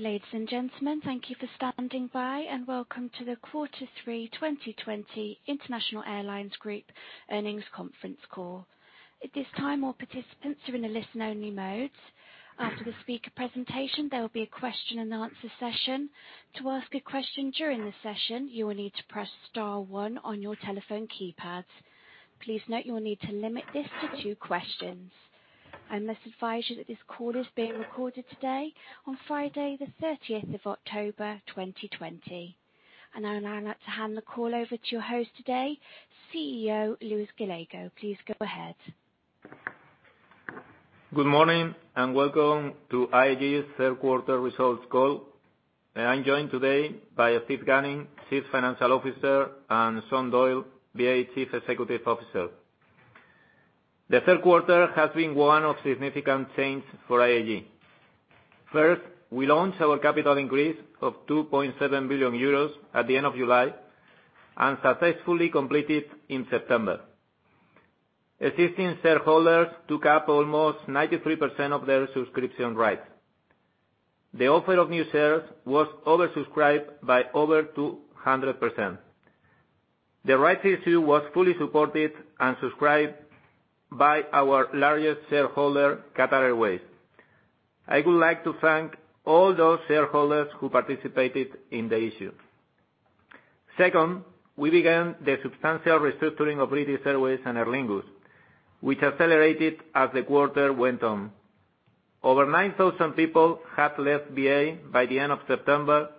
Ladies and gentlemen, thank you for standing by, and welcome to the Quarter three 2020 International Airlines Group Earnings Conference Call. At this time, all participants are in a listen-only mode. After the speaker presentation, there will be a question and answer session. To ask a question during the session, you will need to press star one on your telephone keypads. Please note you will need to limit this to two questions. I must advise you that this call is being recorded today on Friday the 30th of October, 2020. Now I'm about to hand the call over to your host today, CEO Luis Gallego. Please go ahead. Good morning. Welcome to IAG's third quarter results call. I'm joined today by Steve Gunning, Chief Financial Officer, and Sean Doyle, BA Chief Executive Officer. The third quarter has been one of significant change for IAG. First, we launched our capital increase of 2.7 billion euros at the end of July and successfully completed in September. Existing shareholders took up almost 93% of their subscription rights. The offer of new shares was oversubscribed by over 200%. The rights issue was fully supported and subscribed by our largest shareholder, Qatar Airways. I would like to thank all those shareholders who participated in the issue. Second, we began the substantial restructuring of British Airways and Aer Lingus, which accelerated as the quarter went on. Over 9,000 people had left BA by the end of September,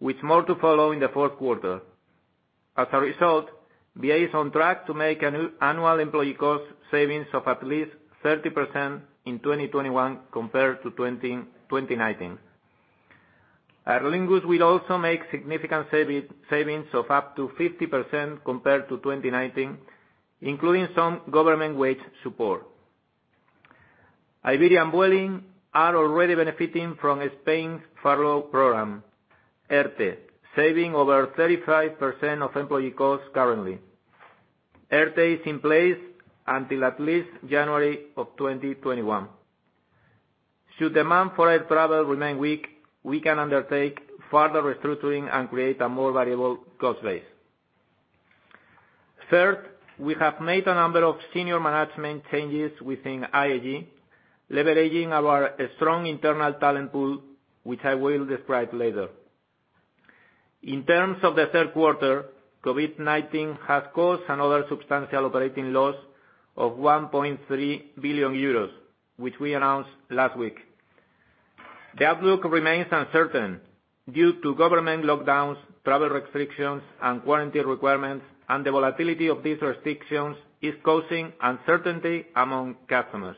with more to follow in the fourth quarter. As a result, BA is on track to make an annual employee cost savings of at least 30% in 2021 compared to 2019. Aer Lingus will also make significant savings of up to 50% compared to 2019, including some government wage support. Iberia and Vueling are already benefiting from Spain's furlough program, ERTE, saving over 35% of employee costs currently. ERTE is in place until at least January 2021. Should demand for air travel remain weak, we can undertake further restructuring and create a more variable cost base. Third, we have made a number of senior management changes within IAG, leveraging our strong internal talent pool, which I will describe later. In terms of the third quarter, COVID-19 has caused another substantial operating loss of 1.3 billion euros, which we announced last week. The outlook remains uncertain due to government lockdowns, travel restrictions, and quarantine requirements, and the volatility of these restrictions is causing uncertainty among customers.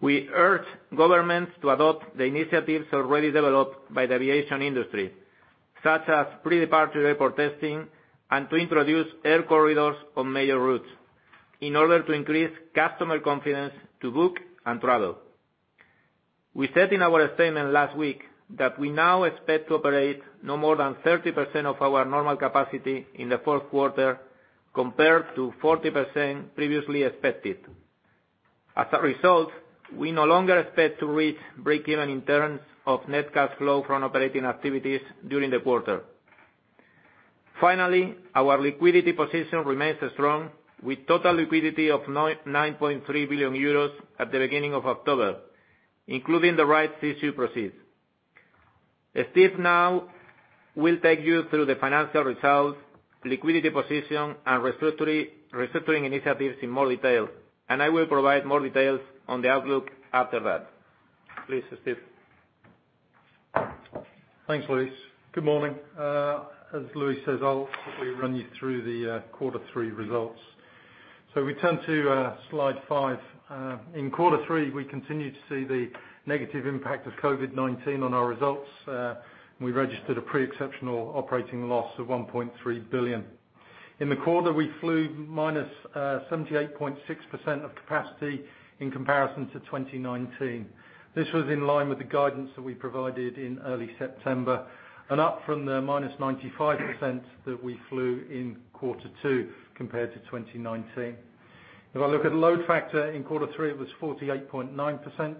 We urge governments to adopt the initiatives already developed by the aviation industry, such as pre-departure airport testing and to introduce air corridors on major routes in order to increase customer confidence to book and travel. We said in our statement last week that we now expect to operate no more than 30% of our normal capacity in the fourth quarter compared to 40% previously expected. As a result, we no longer expect to reach break-even in terms of net cash flow from operating activities during the quarter. Finally, our liquidity position remains strong with total liquidity of 9.3 billion euros at the beginning of October, including the rights issue proceeds. Steve now will take you through the financial results, liquidity position, and restructuring initiatives in more detail, and I will provide more details on the outlook after that. Please, Steve. Thanks, Luis. Good morning. As Luis says, I'll quickly run you through the quarter three results. We turn to slide five. In quarter three, we continued to see the negative impact of COVID-19 on our results. We registered a pre-exceptional operating loss of 1.3 billion. In the quarter, we flew -78.6% of capacity in comparison to 2019. This was in line with the guidance that we provided in early September and up from the -95% that we flew in quarter two compared to 2019. If I look at load factor in quarter three, it was 48.9%.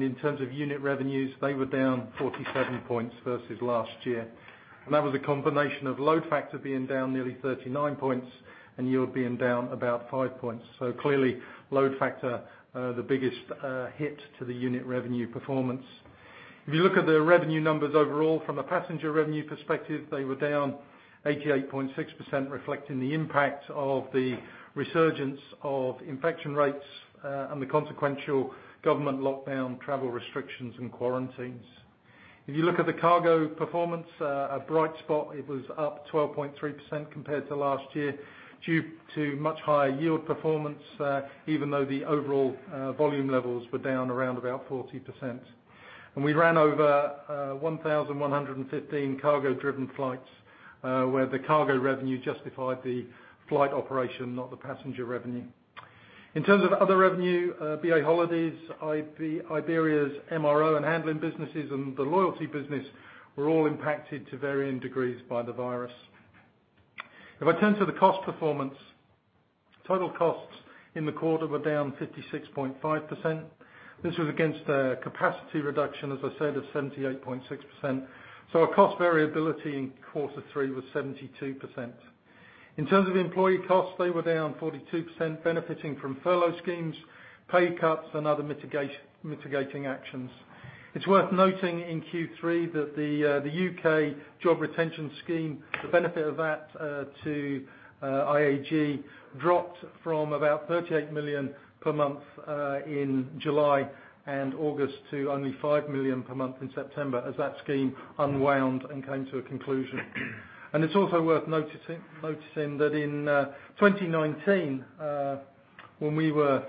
In terms of unit revenues, they were down 47 points versus last year. That was a combination of load factor being down nearly 39 points and yield being down about five points. Clearly, load factor, the biggest hit to the unit revenue performance. If you look at the revenue numbers overall from a passenger revenue perspective, they were down 88.6%, reflecting the impact of the resurgence of infection rates and the consequential government lockdown travel restrictions and quarantines. If you look at the cargo performance, a bright spot, it was up 12.3% compared to last year due to much higher yield performance, even though the overall volume levels were down around about 40%. We ran over 1,115 cargo-driven flights, where the cargo revenue justified the flight operation, not the passenger revenue. In terms of other revenue, BA Holidays, Iberia's MRO and handling businesses, and the loyalty business were all impacted to varying degrees by the virus. If I turn to the cost performance, total costs in the quarter were down 56.5%. This was against a capacity reduction, as I said, of 78.6%. Our cost variability in quarter three was 72%. In terms of employee costs, they were down 42%, benefiting from furlough schemes, pay cuts, and other mitigating actions. It's worth noting in Q3 that the U.K. job retention scheme, the benefit of that to IAG dropped from about 38 million per month in July and August to only 5 million per month in September as that scheme unwound and came to a conclusion. It's also worth noticing that in 2019, when we were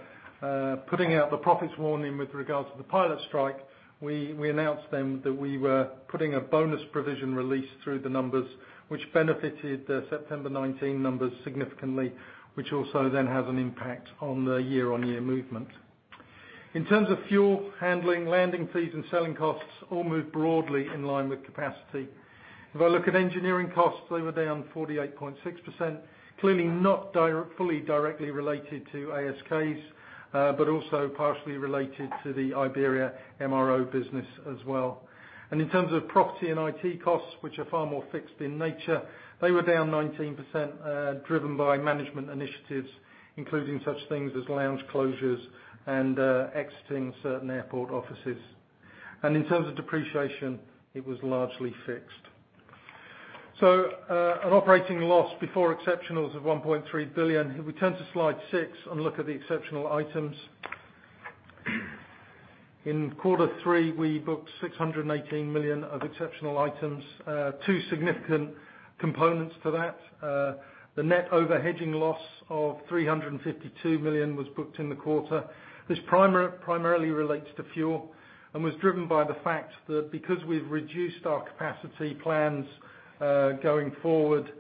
putting out the profits warning with regards to the pilot strike, we announced then that we were putting a bonus provision release through the numbers, which benefited the September 2019 numbers significantly, which also then has an impact on the year-on-year movement. In terms of fuel, handling, landing fees, and selling costs, all moved broadly in line with capacity. If I look at engineering costs, they were down 48.6%, clearly not fully directly related to ASKs, but also partially related to the Iberia MRO business as well. In terms of property and IT costs, which are far more fixed in nature, they were down 19%, driven by management initiatives, including such things as lounge closures and exiting certain airport offices. In terms of depreciation, it was largely fixed. So, an operating loss before exceptionals of 1.3 billion. If we turn to slide six and look at the exceptional items. In quarter three, we booked 618 million of exceptional items. Two significant components to that. The net over-hedging loss of 352 million was booked in the quarter. This primarily relates to fuel and was driven by the fact that because we've reduced our capacity plans going forward,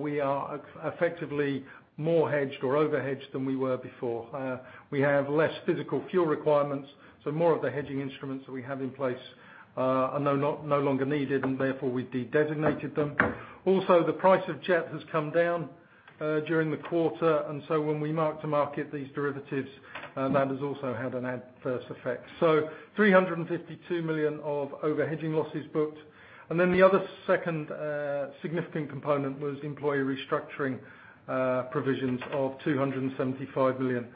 we are effectively more hedged or over-hedged than we were before. We have less physical fuel requirements, more of the hedging instruments that we have in place are no longer needed, therefore, we've de-designated them. Also, the price of jet has come down during the quarter, when we mark to market these derivatives, that has also had an adverse effect. 352 million of over-hedging losses booked. The other second significant component was employee restructuring provisions of 275 million.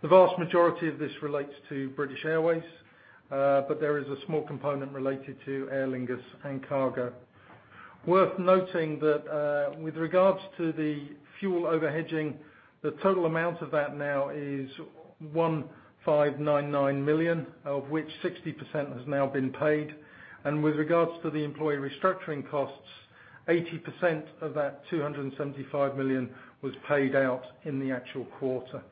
The vast majority of this relates to British Airways, but there is a small component related to Aer Lingus and Cargo. Worth noting that with regards to the fuel over-hedging, the total amount of that now is 1,599 million, of which 60% has now been paid. With regards to the employee restructuring costs, 80% of that 275 million was paid out in the actual quarter.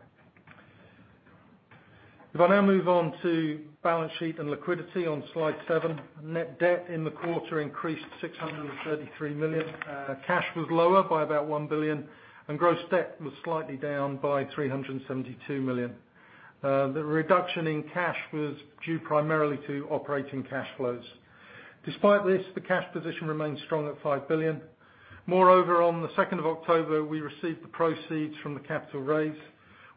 If I now move on to balance sheet and liquidity on slide seven. Net debt in the quarter increased to 633 million. Cash was lower by about 1 billion, and gross debt was slightly down by 372 million. The reduction in cash was due primarily to operating cash flows. Despite this, the cash position remains strong at 5 billion. Moreover, on the 2nd of October, we received the proceeds from the capital raise,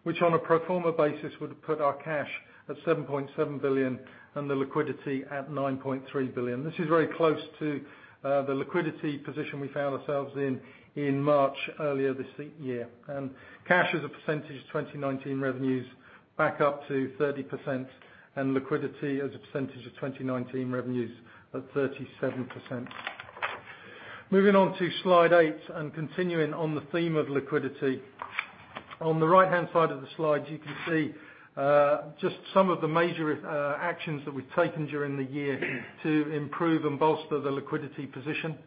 which on a pro forma basis would put our cash at 7.7 billion and the liquidity at 9.3 billion. This is very close to the liquidity position we found ourselves in March earlier this year. Cash as a percentage of 2019 revenues back up to 30%, and liquidity as a percentage of 2019 revenues at 37%. Moving on to slide eight and continuing on the theme of liquidity. On the right-hand side of the slide, you can see just some of the major actions that we've taken during the year to improve and bolster the liquidity position.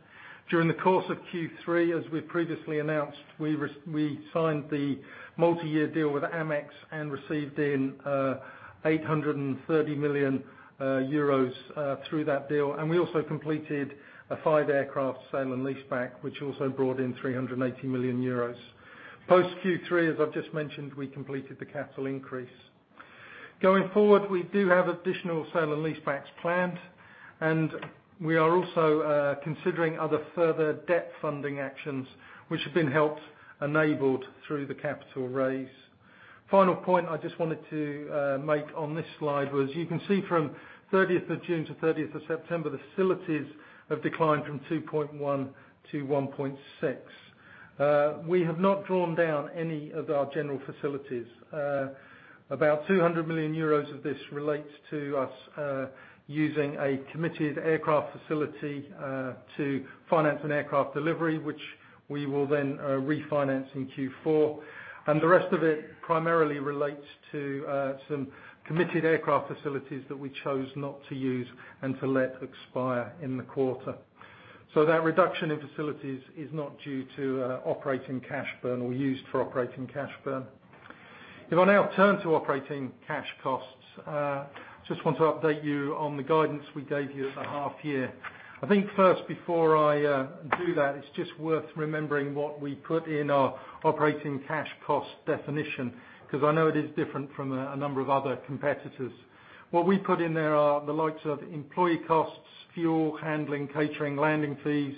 During the course of Q3, as we previously announced, we signed the multi-year deal with Amex and received in 830 million euros through that deal. We also completed a five aircraft sale and leaseback, which also brought in 380 million euros. Post Q3, as I've just mentioned, we completed the capital increase. Going forward, we do have additional sale and leasebacks planned, and we are also considering other further debt funding actions, which have been helped enabled through the capital raise. Final point I just wanted to make on this slide was, you can see from 30th of June to 30th of September, the facilities have declined from 2.1 to 1.6. We have not drawn down any of our general facilities. About 200 million euros of this relates to us using a committed aircraft facility to finance an aircraft delivery, which we will then refinance in Q4. The rest of it primarily relates to some committed aircraft facilities that we chose not to use and to let expire in the quarter. That reduction in facilities is not due to operating cash burn or used for operating cash burn. If I now turn to operating cash costs, I just want to update you on the guidance we gave you at the half year. I think first before I do that, it is just worth remembering what we put in our operating cash cost definition, because I know it is different from a number of other competitors. What we put in there are the likes of employee costs, fuel, handling, catering, landing fees,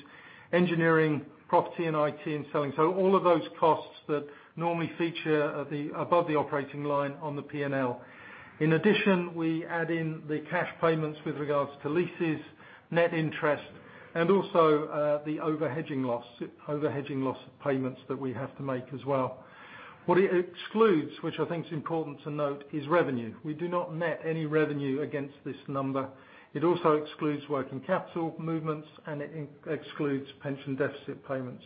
engineering, property and IT, and selling. All of those costs that normally feature above the operating line on the P&L. In addition, we add in the cash payments with regards to leases, net interest, and also the over-hedging loss payments that we have to make as well. What it excludes, which I think is important to note, is revenue. We do not net any revenue against this number. It also excludes working capital movements, and it excludes pension deficit payments.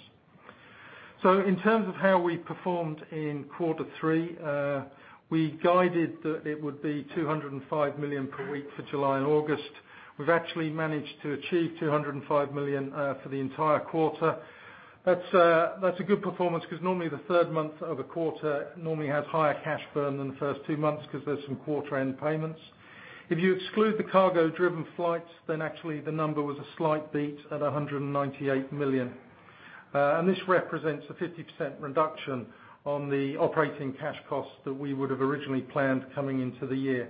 In terms of how we performed in quarter three, we guided that it would be 205 million per week for July and August. We've actually managed to achieve 205 million for the entire quarter. That's a good performance because normally the third month of a quarter normally has higher cash burn than the first two months because there's some quarter-end payments. If you exclude the cargo-driven flights, actually the number was a slight beat at 198 million. This represents a 50% reduction on the operating cash costs that we would have originally planned coming into the year.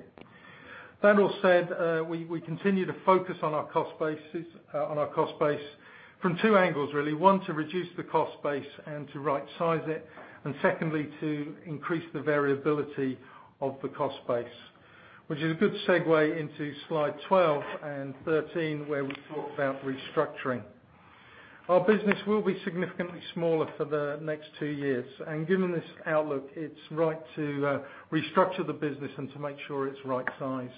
That all said, we continue to focus on our cost base from two angles, really. One, to reduce the cost base and to rightsize it, and secondly, to increase the variability of the cost base, which is a good segue into slide 12 and 13, where we talk about restructuring. Our business will be significantly smaller for the next two years, and given this outlook, it's right to restructure the business and to make sure it's right-sized.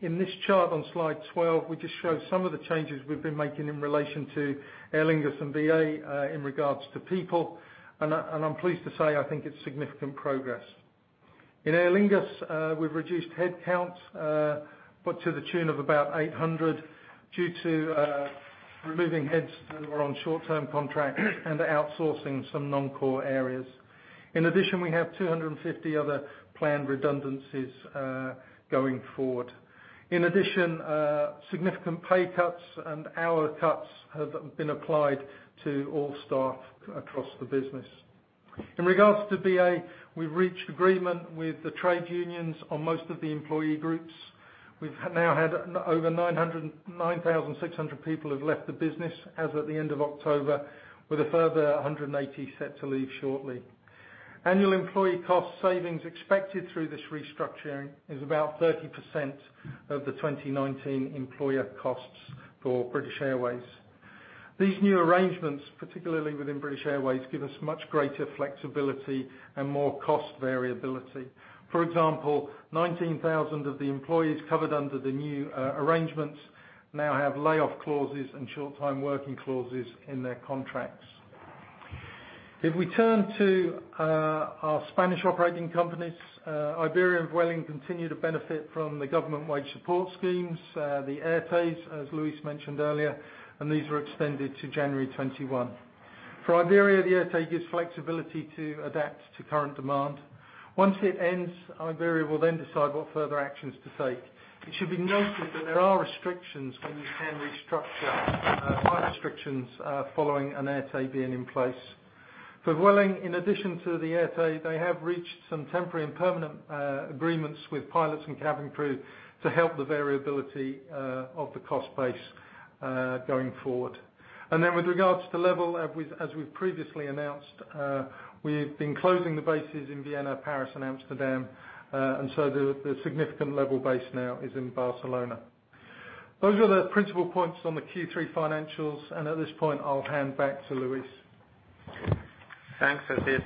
In this chart on slide 12, we just show some of the changes we've been making in relation to Aer Lingus and BA in regards to people, and I'm pleased to say I think it's significant progress. In Aer Lingus, we've reduced headcounts, but to the tune of about 800 due to removing heads that were on short-term contracts and outsourcing some non-core areas. In addition, we have 250 other planned redundancies going forward. In addition, significant pay cuts and hour cuts have been applied to all staff across the business. In regards to BA, we've reached agreement with the trade unions on most of the employee groups. We've now had over 9,600 people who've left the business as of at the end of October, with a further 180 set to leave shortly. Annual employee cost savings expected through this restructuring is about 30% of the 2019 employer costs for British Airways. These new arrangements, particularly within British Airways, give us much greater flexibility and more cost variability. For example, 19,000 of the employees covered under the new arrangements now have layoff clauses and short-time working clauses in their contracts. If we turn to our Spanish operating companies, Iberia and Vueling continue to benefit from the government-wide support schemes, the ERTEs, as Luis mentioned earlier, and these are extended to January 2021. For Iberia, the ERTE gives flexibility to adapt to current demand. Once it ends, Iberia will then decide what further actions to take. It should be noted that there are restrictions when you can restructure, quite restrictions following an ERTE being in place. For Vueling, in addition to the ERTE, they have reached some temporary and permanent agreements with pilots and cabin crew to help the variability of the cost base going forward. With regards to LEVEL, as we've previously announced, we've been closing the bases in Vienna, Paris, and Amsterdam. The significant LEVEL base now is in Barcelona. Those are the principal points on the Q3 financials, at this point, I'll hand back to Luis. Thanks, as is.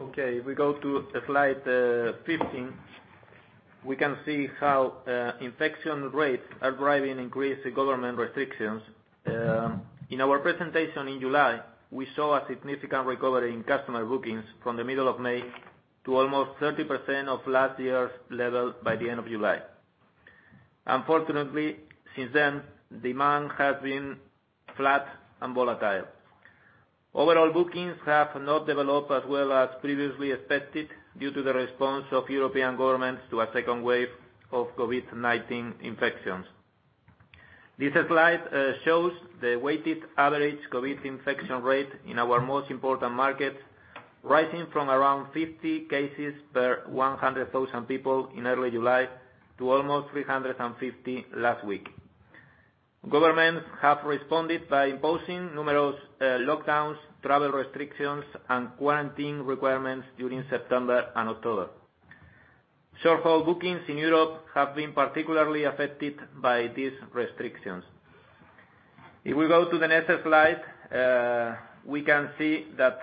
Okay, if we go to slide 15, we can see how infection rates are driving increased government restrictions. In our presentation in July, we saw a significant recovery in customer bookings from the middle of May to almost 30% of last year's level by the end of July. Unfortunately, since then, demand has been flat and volatile. Overall bookings have not developed as well as previously expected due to the response of European governments to a second wave of COVID-19 infections. This slide shows the weighted average COVID infection rate in our most important markets, rising from around 50 cases per 100,000 people in early July to almost 350 last week. Governments have responded by imposing numerous lockdowns, travel restrictions, and quarantine requirements during September and October. Short-haul bookings in Europe have been particularly affected by these restrictions. If we go to the next slide, we can see that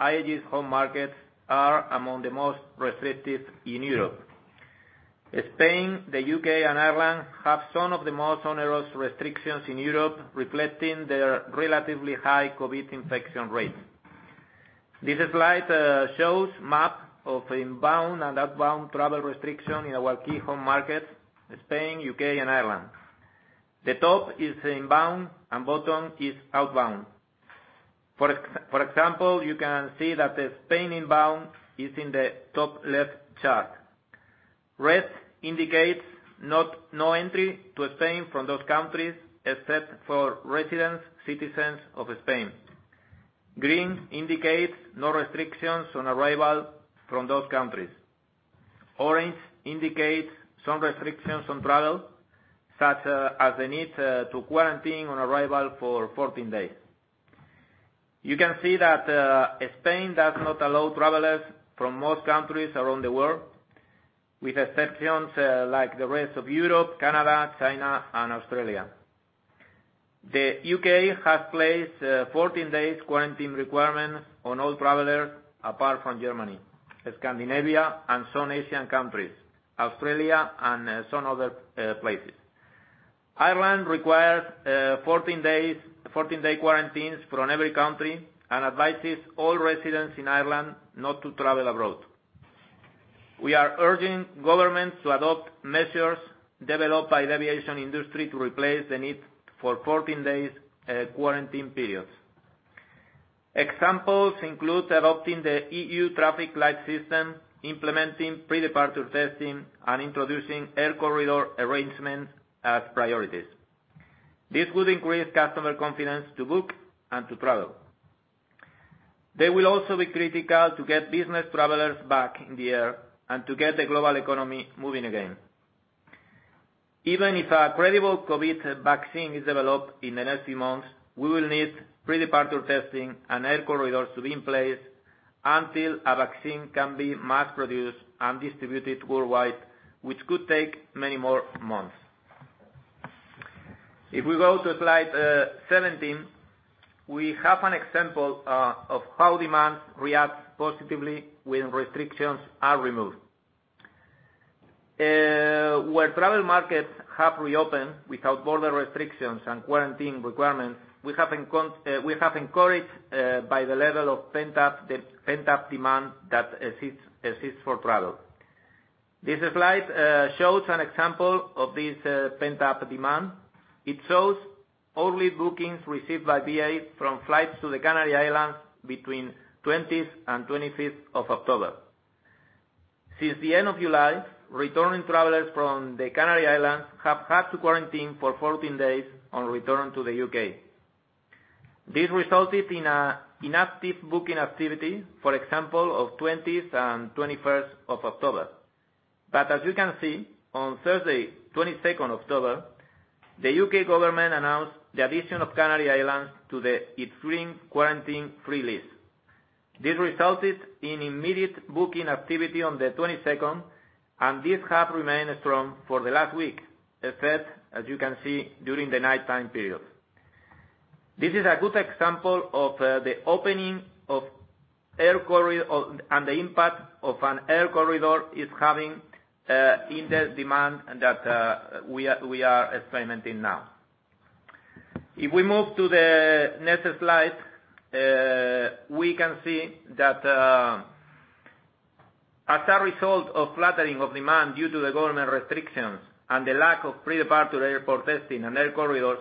IAG's home markets are among the most restrictive in Europe. Spain, the U.K., and Ireland have some of the most onerous restrictions in Europe, reflecting their relatively high COVID-19 infection rates. This slide shows map of inbound and outbound travel restriction in our key home market, Spain, U.K., and Ireland. The top is inbound, bottom is outbound. For example, you can see that the Spain inbound is in the top left chart. Red indicates no entry to Spain from those countries, except for residents, citizens of Spain. Green indicates no restrictions on arrival from those countries. Orange indicates some restrictions on travel, such as the need to quarantine on arrival for 14-days. You can see that Spain does not allow travelers from most countries around the world, with exceptions like the rest of Europe, Canada, China, and Australia. The U.K. has placed 14-day quarantine requirements on all travelers apart from Germany, Scandinavia, and some Asian countries, Australia, and some other places. Ireland requires 14-day quarantines from every country and advises all residents in Ireland not to travel abroad. We are urging governments to adopt measures developed by the aviation industry to replace the need for 14-day quarantine periods. Examples include adopting the EU traffic light system, implementing pre-departure testing, and introducing air corridor arrangements as priorities. This would increase customer confidence to book and to travel. They will also be critical to get business travelers back in the air and to get the global economy moving again. Even if a credible COVID-19 vaccine is developed in the next few months, we will need pre-departure testing and air corridors to be in place until a vaccine can be mass-produced and distributed worldwide, which could take many more months. If we go to slide 17, we have an example of how demand reacts positively when restrictions are removed. Where travel markets have reopened without border restrictions and quarantine requirements, we have been encouraged by the level of pent-up demand that exists for travel. This slide shows an example of this pent-up demand. It shows only bookings received by BA from flights to the Canary Islands between 20th and 25th of October. Since the end of July, returning travelers from the Canary Islands have had to quarantine for 14-days on return to the U.K. This resulted in inactive booking activity, for example, of 20th and 21st of October. As you can see, on Thursday, 22nd October, the U.K. government announced the addition of Canary Islands to the extreme quarantine-free list. This resulted in immediate booking activity on the 22nd, and this has remained strong for the last week, except, as you can see, during the nighttime period. This is a good example of the opening and the impact an air corridor is having in the demand that we are experimenting now. If we move to the next slide, we can see that as a result of flattening of demand due to the government restrictions and the lack of pre-departure airport testing and air corridors,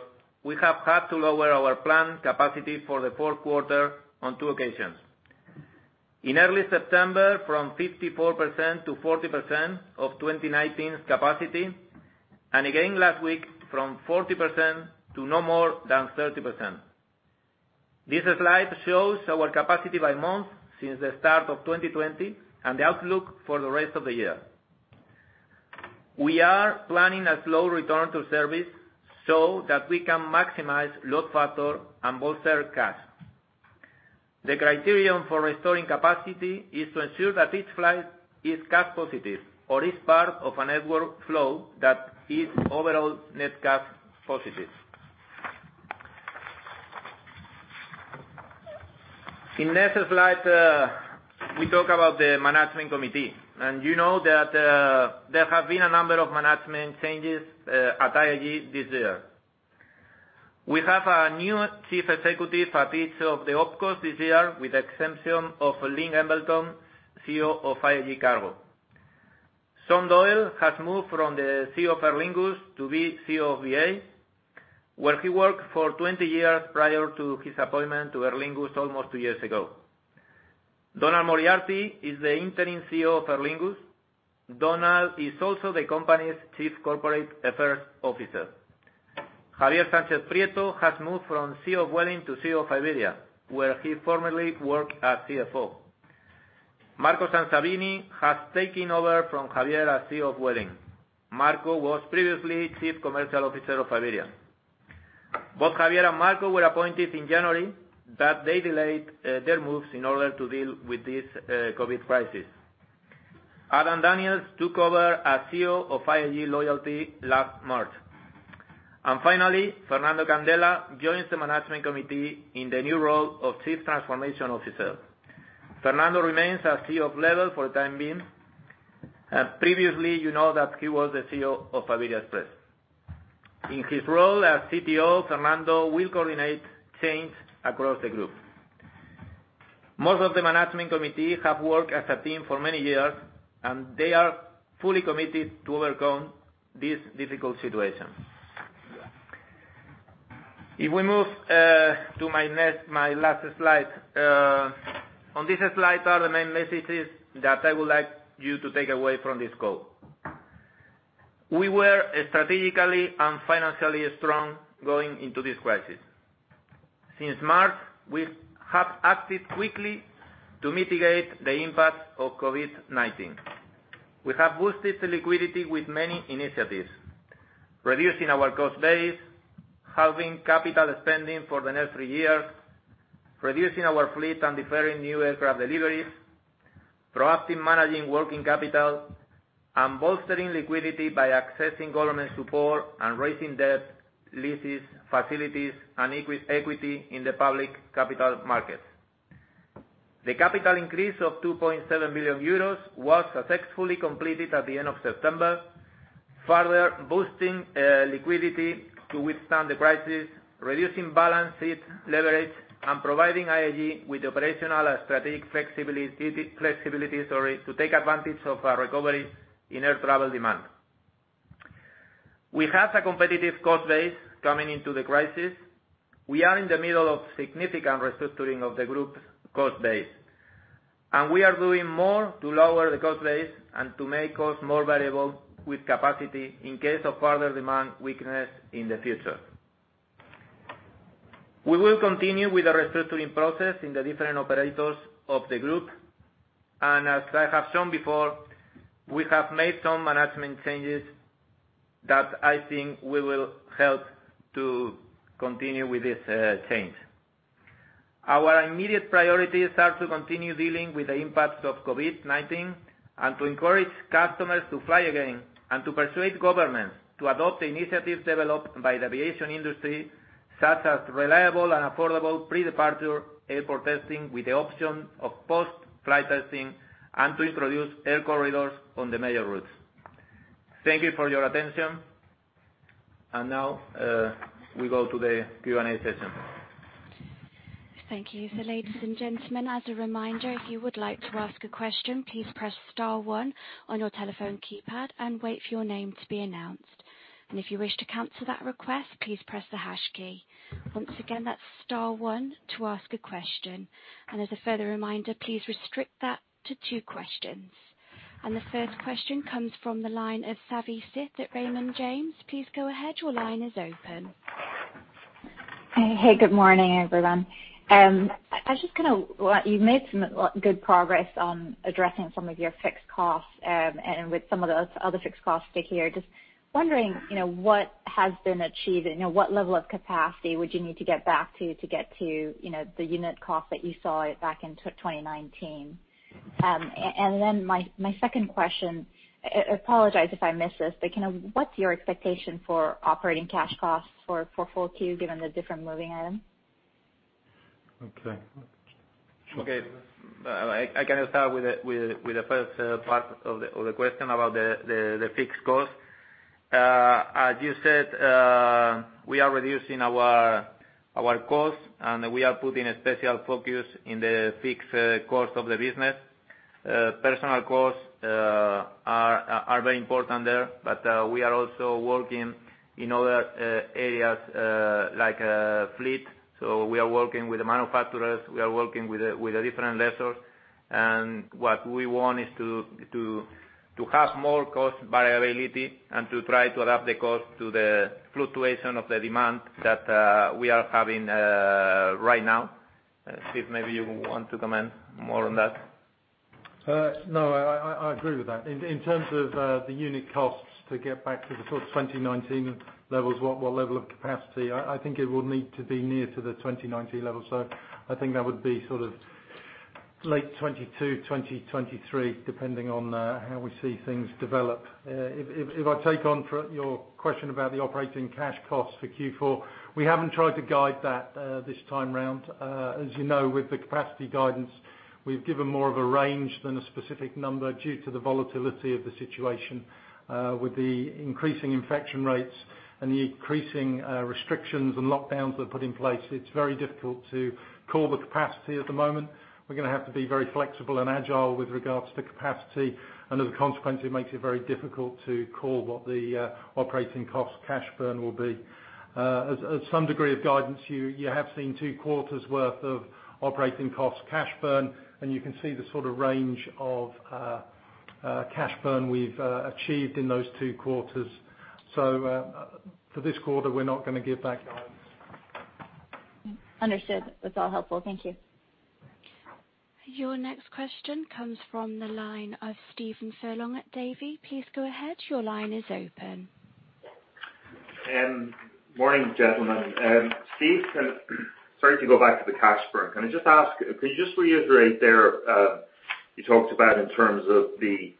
we have had to lower our planned capacity for the fourth quarter on two occasions. In early September, from 54% to 40% of 2019's capacity, and again last week from 40% to no more than 30%. This slide shows our capacity by month since the start of 2020 and the outlook for the rest of the year. We are planning a slow return to service so that we can maximize load factor and bolster cash. The criterion for restoring capacity is to ensure that each flight is cash positive or is part of a network flow that is overall net cash positive. In next slide, we talk about the management committee. You know that there have been a number of management changes at IAG this year. We have a new chief executive at each of the opcos this year, with the exception of Lynne Embleton, CEO of IAG Cargo. Sean Doyle has moved from the CEO of Aer Lingus to be CEO of BA, where he worked for 20 years prior to his appointment to Aer Lingus almost two years ago. Donal Moriarty is the Interim CEO of Aer Lingus. Donal is also the company's Chief Corporate Affairs Officer. Javier Sánchez-Prieto has moved from CEO of Vueling to CEO of Iberia, where he formerly worked as CFO. Marco Sansavini has taken over from Javier as CEO of Vueling. Marco was previously Chief Commercial Officer of Iberia. Both Javier and Marco were appointed in January, but they delayed their moves in order to deal with this COVID-19 crisis. Finally, Adam Daniels took over as CEO of IAG Loyalty last March. Fernando Candela joins the management committee in the new role of Chief Transformation Officer. Fernando remains as CEO of LEVEL for the time being. Previously, you know that he was the CEO of Iberia Express. In his role as CTO, Fernando will coordinate change across the group. Most of the management committee have worked as a team for many years, and they are fully committed to overcome this difficult situation. If we move to my last slide. On this slide are the main messages that I would like you to take away from this call. We were strategically and financially strong going into this crisis. Since March, we have acted quickly to mitigate the impact of COVID-19. We have boosted liquidity with many initiatives, reducing our cost base, halving capital spending for the next three years, reducing our fleet and deferring new aircraft deliveries, proactively managing working capital, and bolstering liquidity by accessing government support and raising debt, leases, facilities, and equity in the public capital markets. The capital increase of 2.7 billion euros was successfully completed at the end of September, further boosting liquidity to withstand the crisis, reducing balance sheet leverage, and providing IAG with the operational and strategic flexibility to take advantage of a recovery in air travel demand. We have a competitive cost base coming into the crisis. We are in the middle of significant restructuring of the group's cost base, and we are doing more to lower the cost base and to make costs more variable with capacity in case of further demand weakness in the future. We will continue with the restructuring process in the different operators of the group. As I have shown before, we have made some management changes that I think will help to continue with this change. Our immediate priorities are to continue dealing with the impacts of COVID-19 and to encourage customers to fly again, and to persuade governments to adopt the initiatives developed by the aviation industry, such as reliable and affordable pre-departure airport testing with the option of post-flight testing, and to introduce air corridors on the major routes. Thank you for your attention. Now, we go to the Q&A session. Thank you. Ladies and gentlemen, as a reminder, if you would like to ask a question, please press star one on your telephone keypad and wait for your name to be announced. If you wish to cancel that request, please press the hash key. Once again, that's star one to ask a question. As a further reminder, please restrict that to two questions. The first question comes from the line of Savi Syth at Raymond James. Please go ahead. Your line is open. Hey, good morning, everyone. You've made some good progress on addressing some of your fixed costs, and with some of the other fixed costs to hear, just wondering what has been achieved and what level of capacity would you need to get back to get to the unit cost that you saw back in 2019? My second question, I apologize if I missed this, but what's your expectation for operating cash costs for full Q given the different moving items? Okay. I can start with the first part of the question about the fixed cost. As you said, we are reducing our costs, and we are putting a special focus on the fixed cost of the business. Personnel costs are very important there, but we are also working in other areas, like fleet. We are working with the manufacturers, we are working with the different lessors. What we want is to have more cost variability and to try to adapt the cost to the fluctuation of the demand that we are having right now. Steve, maybe you want to comment more on that. No, I agree with that. In terms of the unit costs to get back to the sort of 2019 levels, what level of capacity, I think it will need to be near to the 2019 level. I think that would be late 2022, 2023, depending on how we see things develop. If I take on your question about the operating cash costs for Q4, we haven't tried to guide that this time around. As you know, with the capacity guidance, we've given more of a range than a specific number due to the volatility of the situation. With the increasing infection rates and the increasing restrictions and lockdowns that are put in place, it's very difficult to call the capacity at the moment. We're going to have to be very flexible and agile with regards to capacity. As a consequence, it makes it very difficult to call what the operating cost cash burn will be. As some degree of guidance, you have seen two quarters worth of operating cost cash burn. You can see the range of cash burn we've achieved in those two quarters. For this quarter, we're not going to give that guidance. Understood. That's all helpful. Thank you. Your next question comes from the line of Stephen Furlong at Davy. Please go ahead. Your line is open. Morning, gentlemen. Steve. Sorry to go back to the cash burn. Can you just reiterate there, you talked about in terms of the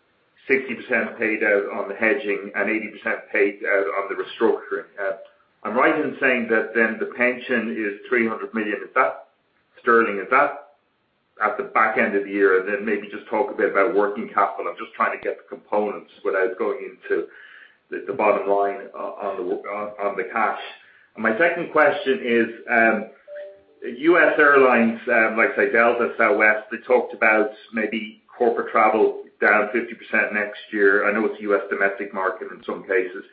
60% paid out on the hedging and 80% paid out on the restructuring. Am I right in saying that the pension is 300 million at the back end of the year? Maybe just talk a bit about working capital. I'm just trying to get the components without going into the bottom line on the cash. My second question is, U.S. Airlines, like say Delta, Southwest, they talked about maybe corporate travel down 50% next year. I know it's U.S. domestic market in some cases,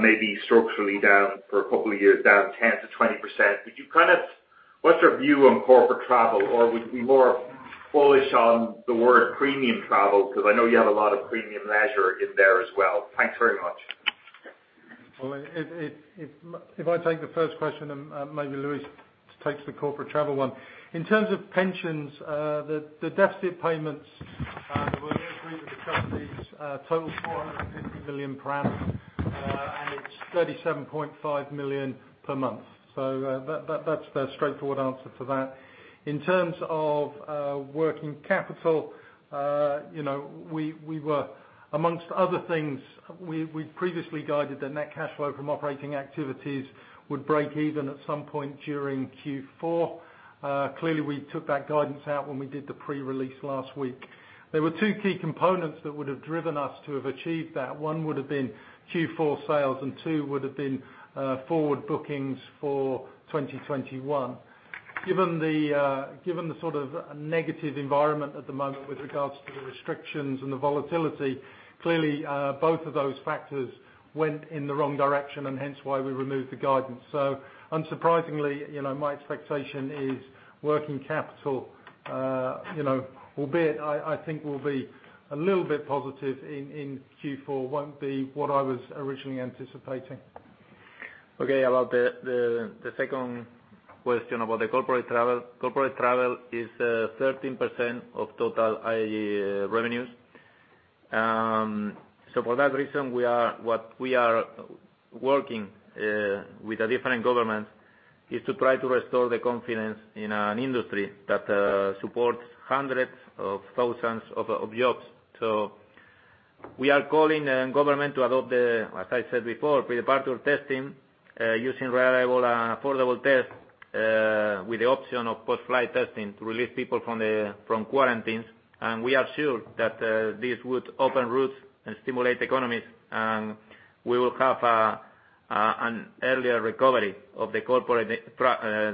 maybe structurally down for a couple of years, down 10%-20%. What's your view on corporate travel, or would we more bullish on the word premium travel? I know you have a lot of premium leisure in there as well. Thanks very much. Well, if I take the first question, and maybe Luis takes the corporate travel one. In terms of pensions, the deficit payments-three of the companies totaled 450 million per annum, and it's 37.5 million per month. That's the straightforward answer for that. In terms of working capital, amongst other things, we previously guided the net cash flow from operating activities would break even at some point during Q4. Clearly, we took that guidance out when we did the pre-release last week. There were two key components that would have driven us to have achieved that. One would have been Q4 sales, and two would have been forward bookings for 2021. Given the sort of negative environment at the moment with regards to the restrictions and the volatility, clearly, both of those factors went in the wrong direction, and hence why we removed the guidance. Unsurprisingly, my expectation is working capital, albeit, I think will be a little bit positive in Q4, won't be what I was originally anticipating. About the second question about the corporate travel. Corporate travel is 13% of total IAG revenues. For that reason, what we are working with the different governments is to try to restore the confidence in an industry that supports hundreds of thousands of jobs. We are calling on government to adopt the, as I said before, pre-departure testing, using reliable and affordable tests, with the option of post-flight testing to release people from quarantines. We are sure that this would open routes and stimulate economies, and we will have an earlier recovery of the corporate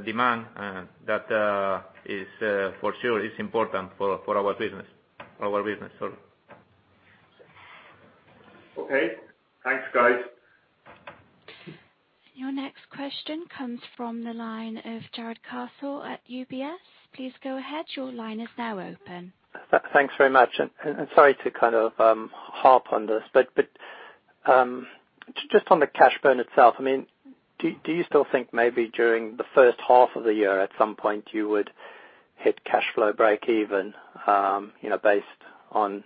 demand that for sure is important for our business. Okay. Thanks, guys. Your next question comes from the line of Jarrod Castle at UBS. Please go ahead. Your line is now open. Thanks very much. Sorry to kind of harp on this, but just on the cash burn itself, do you still think maybe during the first half of the year, at some point, you would hit cash flow breakeven, based on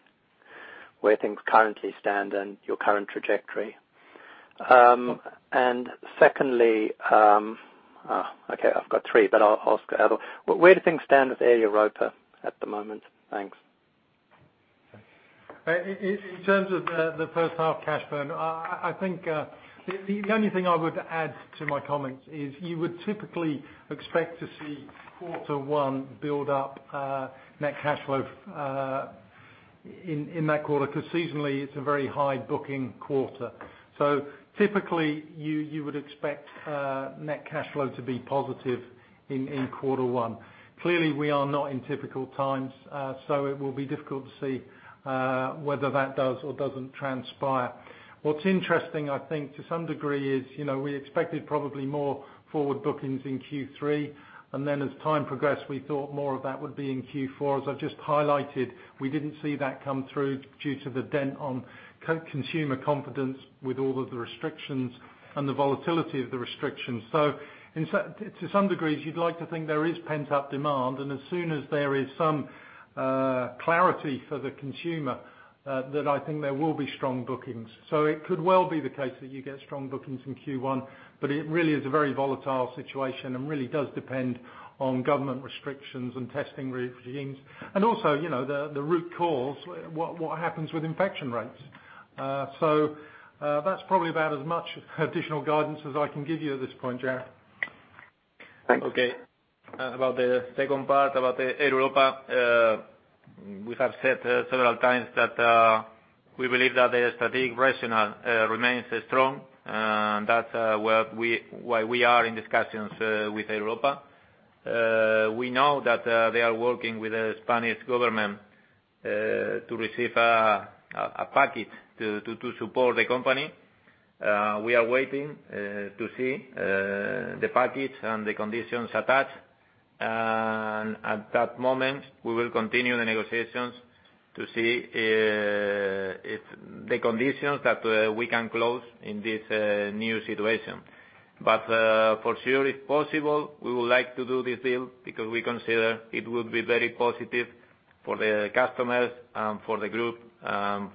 where things currently stand and your current trajectory? Secondly Okay, I've got three, but I'll ask another. Where do things stand with Aeroméxico at the moment? Thanks. In terms of the first half cash burn, I think the only thing I would add to my comments is you would typically expect to see quarter one build up net cash flow in that quarter, because seasonally, it's a very high booking quarter. Typically, you would expect net cash flow to be positive in quarter one. Clearly, we are not in typical times, so it will be difficult to see whether that does or doesn't transpire. What's interesting, I think to some degree is, we expected probably more forward bookings in Q3, and then as time progressed, we thought more of that would be in Q4. As I've just highlighted, we didn't see that come through due to the dent on consumer confidence with all of the restrictions and the volatility of the restrictions. To some degree, you'd like to think there is pent-up demand, and as soon as there is some clarity for the consumer, then I think there will be strong bookings. It could well be the case that you get strong bookings in Q1, but it really is a very volatile situation and really does depend on government restrictions and testing regimes. Also, the root cause, what happens with infection rates. That's probably about as much additional guidance as I can give you at this point, Jarrod. Thanks. About the second part, about Aeroméxico, we have said several times that we believe that the strategic rationale remains strong. That's why we are in discussions with Aeroméxico. We know that they are working with the Spanish government to receive a package to support the company. We are waiting to see the package and the conditions attached. At that moment, we will continue the negotiations to see the conditions that we can close in this new situation. For sure, if possible, we would like to do this deal because we consider it would be very positive for the customers, for the Group,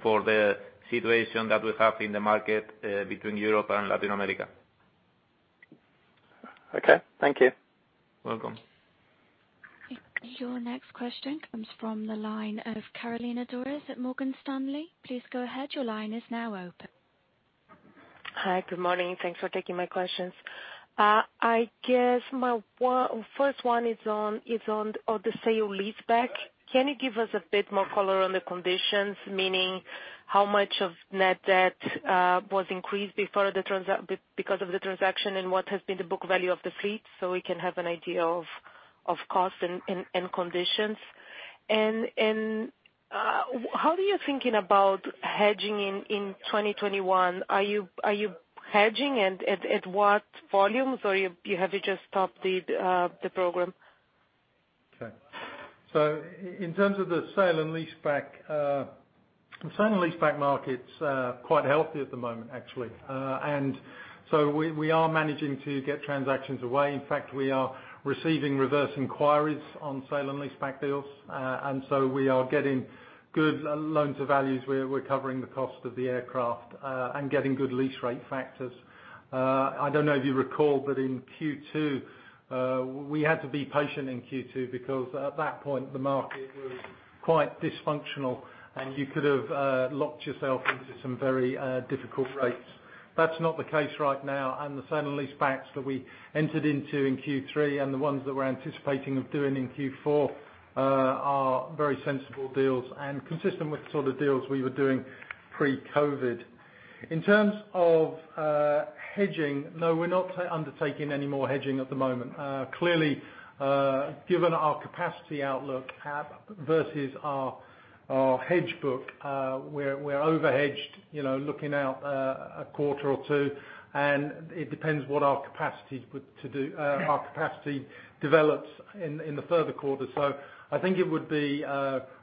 for the situation that we have in the market between Europe and Latin America. Okay. Thank you. Welcome. Your next question comes from the line of Carolina Dores at Morgan Stanley. Please go ahead. Your line is now open. Hi. Good morning. Thanks for taking my questions. I guess my first one is on the sale and leaseback. Can you give us a bit more color on the conditions? Meaning how much of net debt was increased because of the transaction, and what has been the book value of the fleet, so we can have an idea of cost and conditions? How are you thinking about hedging in 2021? Are you hedging, and at what volumes, or have you just stopped the program? Okay. In terms of the sale and leaseback, the sale and leaseback market's quite healthy at the moment, actually. We are managing to get transactions away. In fact, we are receiving reverse inquiries on sale and leaseback deals. We are getting good loans to values. We're covering the cost of the aircraft, and getting good lease rate factors. I don't know if you recall, in Q2, we had to be patient in Q2 because at that point the market was quite dysfunctional and you could have locked yourself into some very difficult rates. That's not the case right now. The sale and leasebacks that we entered into in Q3 and the ones that we're anticipating of doing in Q4 are very sensible deals and consistent with the sort of deals we were doing pre-COVID. In terms of hedging, no, we're not undertaking any more hedging at the moment. Clearly, given our capacity outlook versus our hedge book, we're overhedged looking out a quarter or two, and it depends what our capacity develops in the further quarters. I think it would be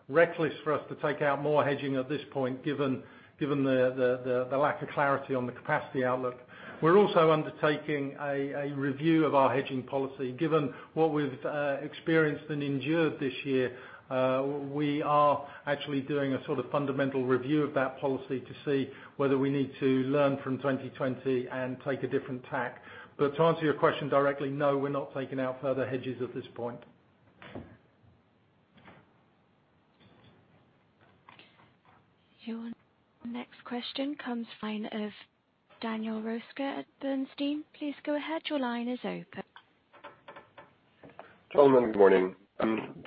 reckless for us to take out more hedging at this point, given the lack of clarity on the capacity outlook. We're also undertaking a review of our hedging policy. Given what we've experienced and endured this year, we are actually doing a sort of fundamental review of that policy to see whether we need to learn from 2020 and take a different tack. To answer your question directly, no, we're not taking out further hedges at this point. Your next question comes from Daniel Roeska at Bernstein. Gentlemen, good morning.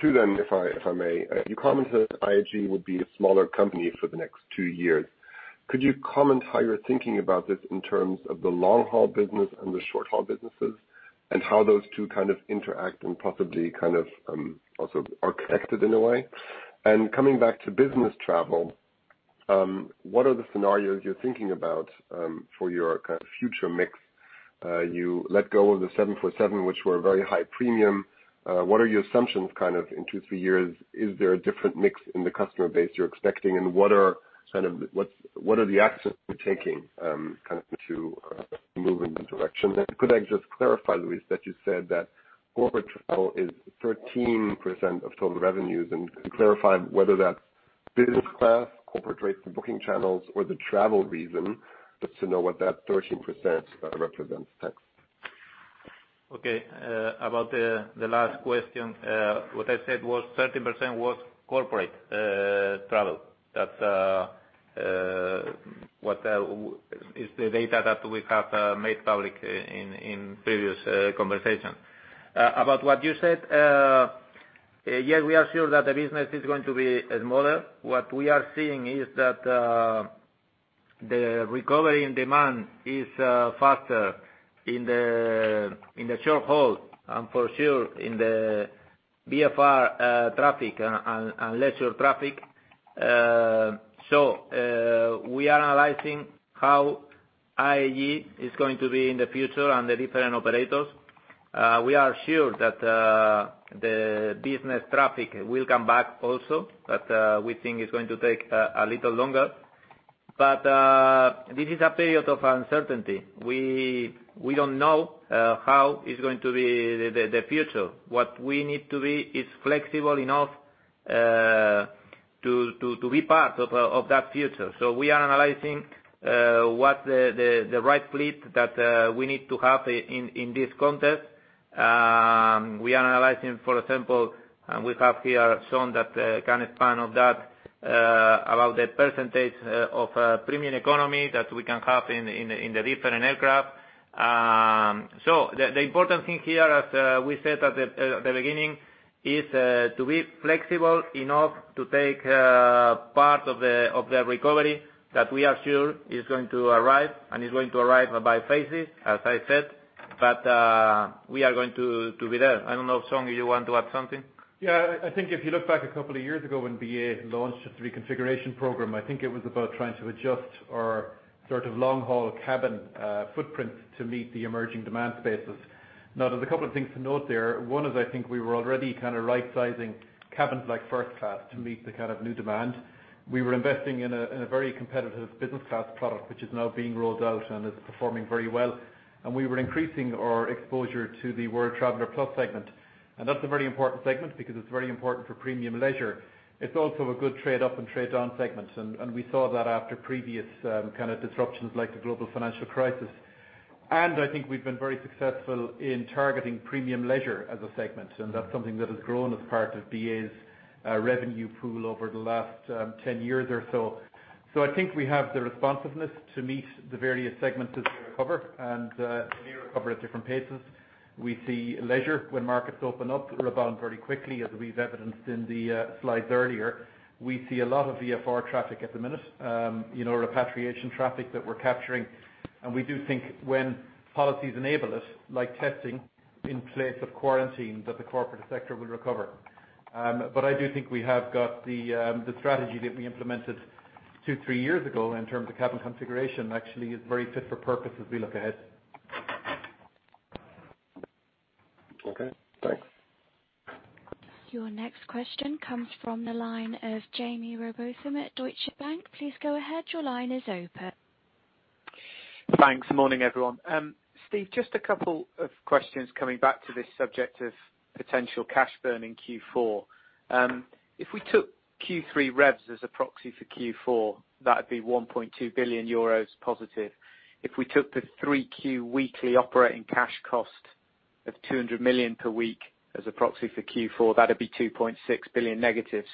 Two then, if I may. You commented IAG would be a smaller company for the next two years. Could you comment how you're thinking about this in terms of the long-haul business and the short-haul businesses, and how those two kind of interact and possibly kind of, also are connected in a way? Coming back to business travel, what are the scenarios you're thinking about for your future mix? You let go of the 747, which were very high premium. What are your assumptions kind of in two, three years? Is there a different mix in the customer base you're expecting, and what are the actions you're taking, kind of to move in that direction? Could I just clarify, Luis, that you said that corporate travel is 13% of total revenues, clarify whether that's business class, corporate rates and booking channels or the travel reason, just to know what that 13% represents. Thanks. Okay. About the last question, what I said was 13% was corporate travel. That is the data that we have made public in previous conversation. About what you said, yes, we are sure that the business is going to be smaller. What we are seeing is that the recovery in demand is faster in the short haul and for sure in the VFR traffic and leisure traffic. We are analyzing how IAG is going to be in the future and the different operators. We are sure that the business traffic will come back also, but we think it's going to take a little longer. This is a period of uncertainty. We don't know how is going to be the future. What we need to be is flexible enough to be part of that future. We are analyzing what the right fleet that we need to have in this context. We are analyzing, for example, and we have here shown that kind of span of that, about the percentage of premium economy that we can have in the different aircraft. The important thing here, as we said at the beginning, is to be flexible enough to take part of the recovery that we are sure is going to arrive, and is going to arrive by phases, as I said. We are going to be there. I don't know if, Sean, you want to add something? Yeah. I think if you look back a couple of years ago when BA launched its reconfiguration program, I think it was about trying to adjust our sort of long-haul cabin footprint to meet the emerging demand spaces. There's a couple of things to note there. One is I think we were already kind of right-sizing cabins like first class to meet the kind of new demand. We were investing in a very competitive business class product, which is now being rolled out and is performing very well. We were increasing our exposure to the World Traveller Plus segment. That's a very important segment because it's very important for premium leisure. It's also a good trade-up and trade-down segment. We saw that after previous kind of disruptions like the global financial crisis. I think we've been very successful in targeting premium leisure as a segment. That's something that has grown as part of BA's revenue pool over the last 10 years or so. I think we have the responsiveness to meet the various segments as they recover and they recover at different paces. We see leisure when markets open up, rebound very quickly, as we've evidenced in the slides earlier. We see a lot of VFR traffic at the minute. Repatriation traffic that we're capturing. We do think when policies enable us, like testing in place of quarantine, that the corporate sector will recover. I do think we have got the strategy that we implemented two, three years ago in terms of cabin configuration actually is very fit for purpose as we look ahead. Okay, thanks. Your next question comes from the line of Jaime Rowbotham at Deutsche Bank. Please go ahead. Your line is open. Thanks. Morning, everyone. Steve, just a couple of questions coming back to this subject of potential cash burn in Q4. If we took Q3 revs as a proxy for Q4, that would be 1.2 billion euros positive. If we took the 3Q weekly operating cash cost of 200 million per week as a proxy for Q4, that would be 2.6 billion negative.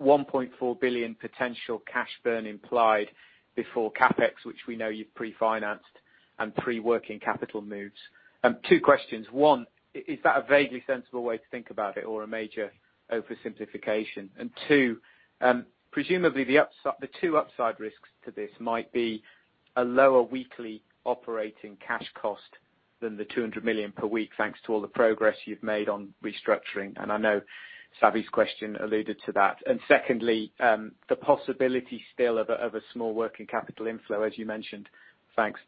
1.4 billion potential cash burn implied before CapEx, which we know you've pre-financed and pre-working capital moves. Two questions. One, is that a vaguely sensible way to think about it or a major oversimplification? Two, presumably, the two upside risks to this might be a lower weekly operating cash cost than the 200 million per week, thanks to all the progress you've made on restructuring. I know Savi's question alluded to that. Secondly, the possibility still of a small working capital inflow, as you mentioned. Thanks.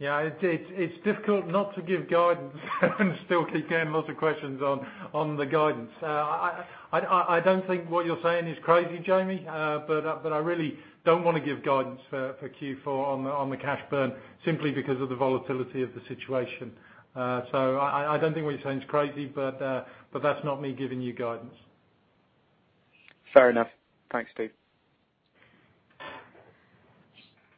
It's difficult not to give guidance and still keep getting lots of questions on the guidance. I don't think what you're saying is crazy, Jaime, but I really don't want to give guidance for Q4 on the cash burn, simply because of the volatility of the situation. I don't think what you're saying is crazy, but that's not me giving you guidance. Fair enough. Thanks, Steve.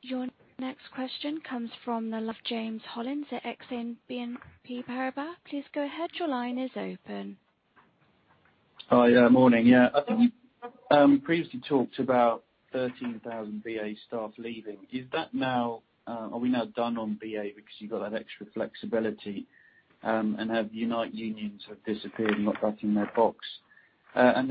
Your next question comes from the line of James Hollins at Exane BNP Paribas. Please go ahead. Your line is open. Hi. Morning, yeah. I think you previously talked about 13,000 BA staff leaving. Are we now done on BA because you got that extra flexibility, and have Unite disappeared and not batting an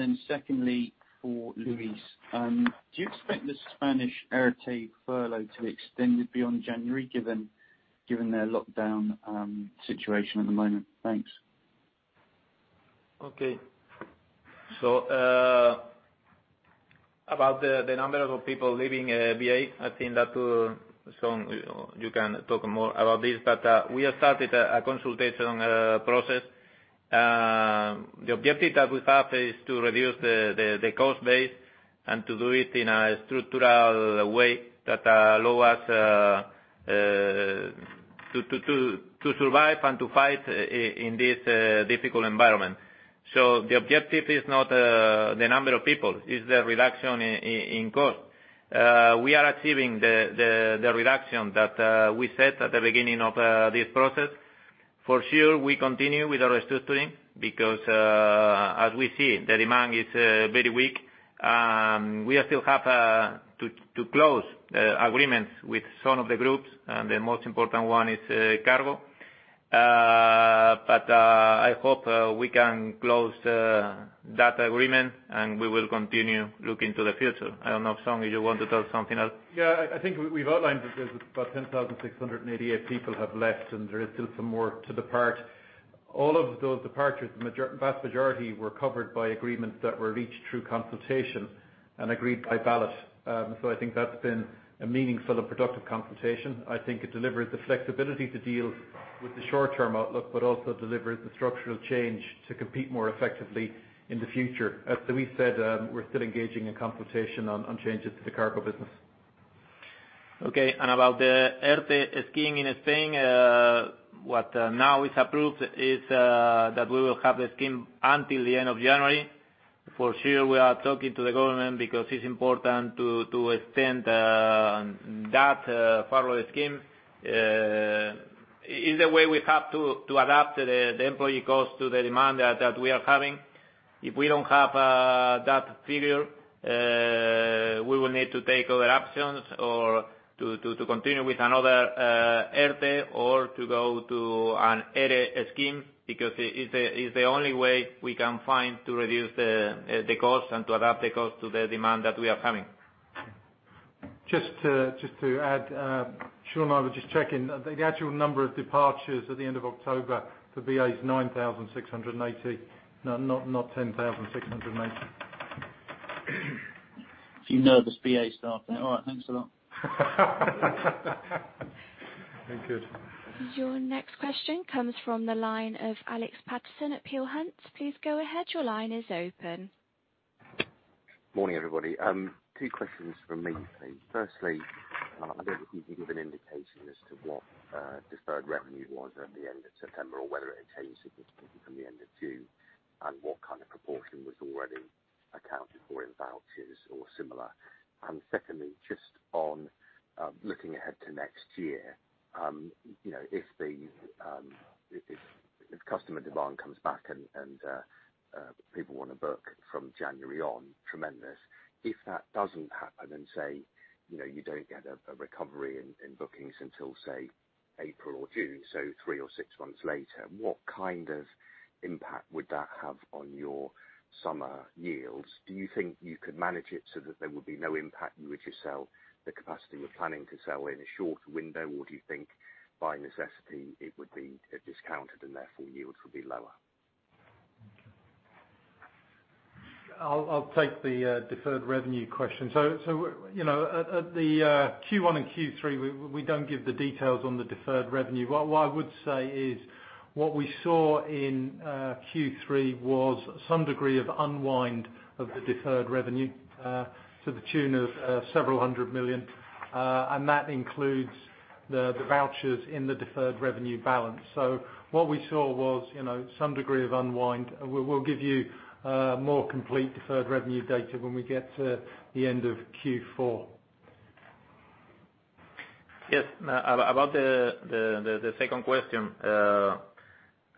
eye? Secondly, for Luis, do you expect the Spanish ERTE furlough to be extended beyond January given their lockdown situation at the moment? Thanks. About the number of people leaving BA, I think that Sean, you can talk more about this, but we have started a consultation process. The objective that we have is to reduce the cost base and to do it in a structural way that allow us to survive and to fight in this difficult environment. The objective is not the number of people, it's the reduction in cost. We are achieving the reduction that we set at the beginning of this process. For sure, we continue with our restructuring because, as we see, the demand is very weak. We still have to close agreements with some of the groups, and the most important one is cargo. I hope we can close that agreement, and we will continue looking to the future. I don't know if Sean, you want to tell something else? I think we've outlined that about 10,688 people have left, and there is still some more to depart. All of those departures, the vast majority were covered by agreements that were reached through consultation and agreed by ballot. I think that's been a meaningful and productive consultation. I think it delivers the flexibility to deal with the short-term outlook, but also delivers the structural change to compete more effectively in the future. As Luis said, we're still engaging in consultation on changes to the cargo business. Okay, about the ERTE scheme in Spain, what now is approved is that we will have the scheme until the end of January. For sure, we are talking to the government because it's important to extend that furlough scheme. It's a way we have to adapt the employee cost to the demand that we are having. If we don't have that figure, we will need to take other options or to continue with another ERTE or to go to an ERE scheme because it's the only way we can find to reduce the cost and to adapt the cost to the demand that we are having. Just to add, Sean, I was just checking. The actual number of departures at the end of October for BA is 9,680, not 10,680. A few nervous BA staff there. All right. Thanks a lot. Very good. Your next question comes from the line of Alex Paterson at Peel Hunt. Please go ahead. Your line is open. Morning, everybody. Two questions from me, please. Firstly, I don't know if you can give an indication as to what deferred revenue was at the end of September, or whether it had changed significantly from the end of Q2, and what kind of proportion was already accounted for in vouchers or similar. Secondly, just on looking ahead to next year, if customer demand comes back and people want to book from January on tremendous, if that doesn't happen and say, you don't get a recovery in bookings until say, April or June, so three or six months later, what kind of impact would that have on your summer yields? Do you think you could manage it so that there would be no impact, and would you sell the capacity you were planning to sell in a shorter window, or do you think by necessity it would be discounted and therefore yields would be lower? I'll take the deferred revenue question. At the Q1 and Q3, we don't give the details on the deferred revenue. What I would say is what we saw in Q3 was some degree of unwind of the deferred revenue, to the tune of several hundred million. That includes the vouchers in the deferred revenue balance. What we saw was some degree of unwind. We'll give you more complete deferred revenue data when we get to the end of Q4. Yes. About the second question.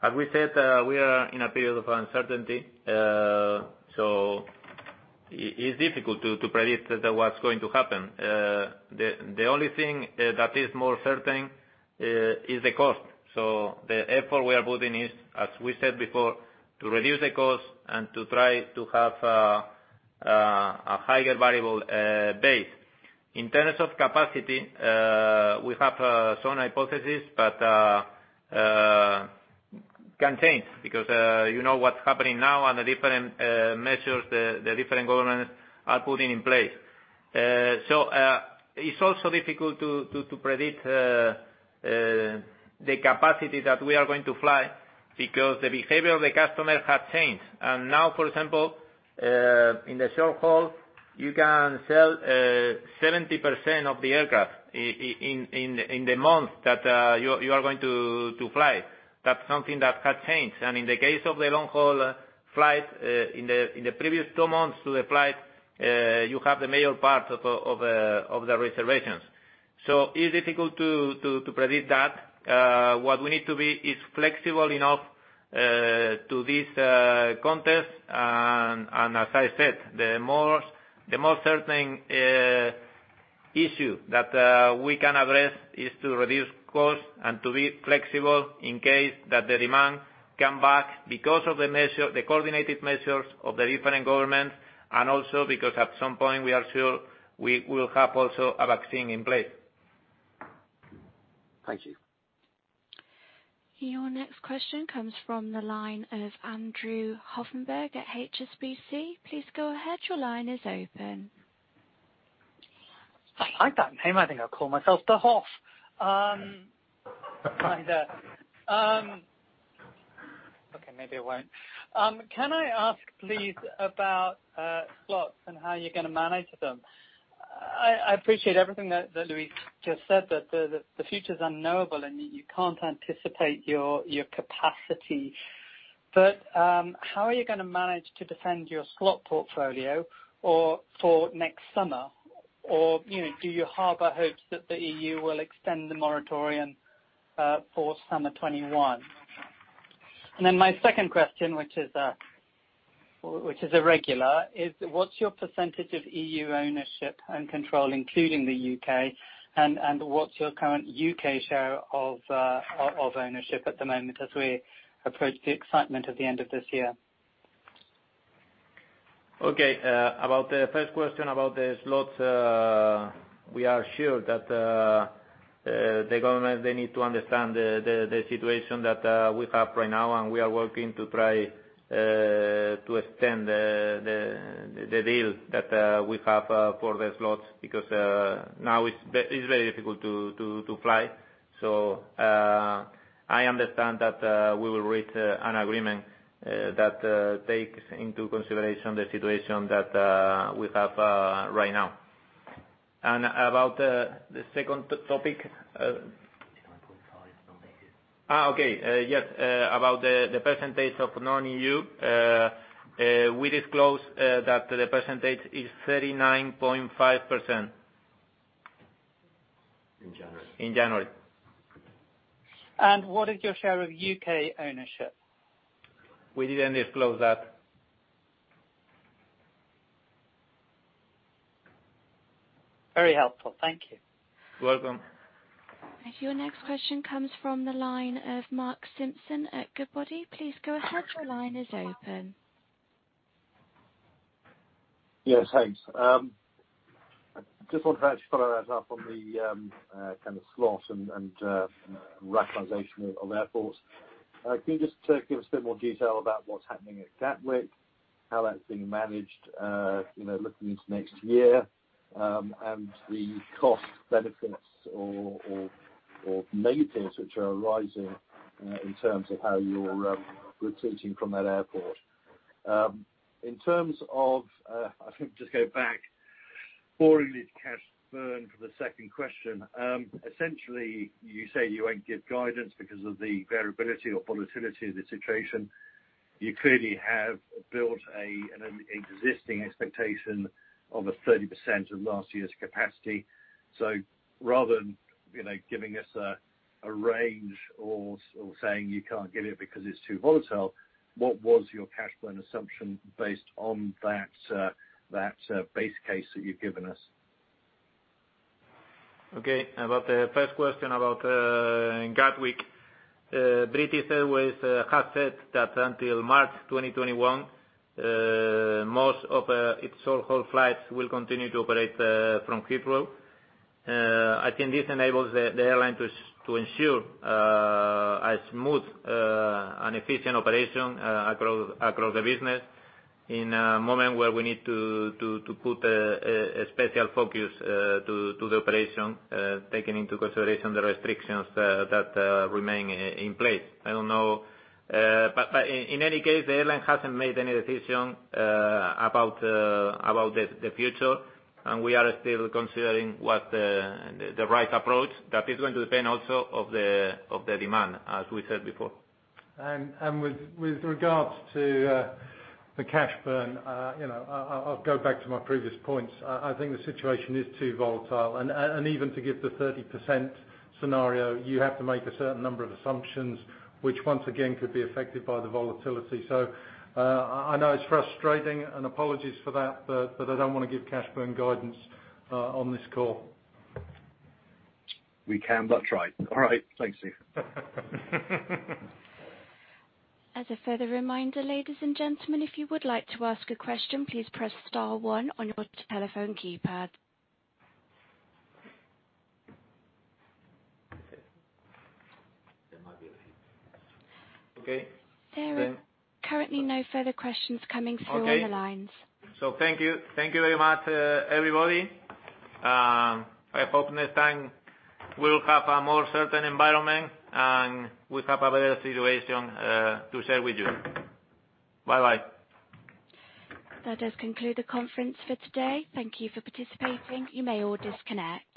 As we said, we are in a period of uncertainty, it is difficult to predict what's going to happen. The only thing that is more certain is the cost. The effort we are putting is, as we said before, to reduce the cost and to try to have a higher variable base. In terms of capacity, we have some hypothesis, can change because you know what's happening now and the different measures the different governments are putting in place. It's also difficult to predict the capacity that we are going to fly because the behavior of the customer has changed. Now, for example, in the short-haul, you can sell 70% of the aircraft in the month that you are going to fly. That's something that has changed. In the case of the long-haul flight, in the previous two months to the flight, you have the major part of the reservations. It's difficult to predict that. What we need to be is flexible enough to this context. As I said, the most certain issue that we can address is to reduce costs and to be flexible in case that the demand come back because of the coordinated measures of the different governments, and also because at some point, we are sure we will have also a vaccine in place. Thank you. Your next question comes from the line of Andrew Lobbenberg at HSBC. I like that name. I think I'll call myself The Hoff. Kinda. Okay, maybe I won't. Can I ask, please, about slots and how you're going to manage them? I appreciate everything that Luis just said, that the future's unknowable, and you can't anticipate your capacity. How are you going to manage to defend your slot portfolio for next summer? Do you harbor hopes that the EU will extend the moratorium for summer 2021? My second question, which is a regular, is what's your percentage of EU ownership and control, including the U.K.? What's your current U.K. share of ownership at the moment as we approach the excitement of the end of this year? Okay. About the first question about the slots, we are sure that, the government, they need to understand the situation that we have right now, and we are working to try to extend the deal that we have for the slots because now it is very difficult to fly. I understand that we will reach an agreement that takes into consideration the situation that we have right now. About the second topic. 39.5 non-EU. Okay. Yes. About the percentage of non-EU, we disclose that the percentage is 39.5%. In January. In January. What is your share of U.K. ownership? We didn't disclose that. Very helpful. Thank you. Welcome. Your next question comes from the line of Mark Simpson at Goodbody. Please go ahead. Your line is open. Yes, thanks. I just wanted to actually follow that up on the kind of slot and rationalization of airports. Can you just give us a bit more detail about what's happening at Gatwick, how that's being managed looking into next year, and the cost benefits or negatives which are arising in terms of how you're retreating from that airport? In terms of, I think just go back, forward lead cash burn for the second question. Essentially, you say you won't give guidance because of the variability or volatility of the situation. You clearly have built an existing expectation of a 30% of last year's capacity. Rather than giving us a range or saying you can't give it because it's too volatile, what was your cash burn assumption based on that base case that you've given us? Okay. About the first question about Gatwick. British Airways has said that until March 2021, most of its short-haul flights will continue to operate from Heathrow. I think this enables the airline to ensure a smooth and efficient operation across the business in a moment where we need to put a special focus to the operation, taking into consideration the restrictions that remain in place. I don't know. In any case, the airline hasn't made any decision about the future, and we are still considering what the right approach. That is going to depend also of the demand, as we said before. With regards to the cash burn, I'll go back to my previous points. I think the situation is too volatile. Even to give the 30% scenario, you have to make a certain number of assumptions, which once again, could be affected by the volatility. I know it's frustrating, and apologies for that, but I don't want to give cash burn guidance on this call. We can but try. All right. Thanks, Steve. As a further reminder, ladies and gentlemen, if you would like to ask a question, please press star one on your telephone keypad. There might be a hint. Okay. There are currently no further questions coming through on the lines. Okay. Thank you. Thank you very much, everybody. I hope next time we'll have a more certain environment, and we'll have a better situation to share with you. Bye-bye. That does conclude the conference for today. Thank you for participating. You may all disconnect.